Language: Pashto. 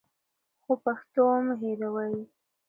خو پښتو مه هېروئ.